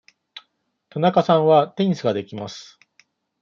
田中さんはテニスができます。